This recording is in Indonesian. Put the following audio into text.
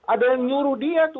ada yang nyuruh dia tuh